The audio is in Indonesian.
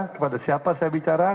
kepada siapa saya bicara